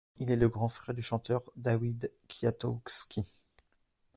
Il est le grand frère du chanteur Dawid Kwiatkowski.